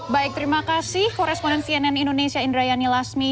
baik terima kasih koresponden cnn indonesia indrayani lasmi